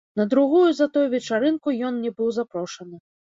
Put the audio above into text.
На другую за той вечарынку ён не быў запрошаны.